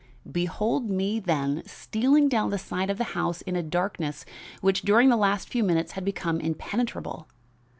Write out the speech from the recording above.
"Behold me, then, stealing down the side of the house in a darkness which during the last few minutes had become impenetrable.